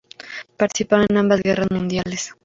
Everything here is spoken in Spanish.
Participaron en ambas guerras mundiales.